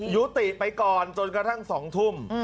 ยุติไปก่อนจนกระทั่ง๒ทุ่ม